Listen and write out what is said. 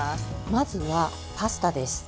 まずはパスタです。